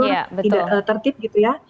tidak tertib gitu ya